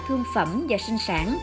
thương phẩm và sinh sản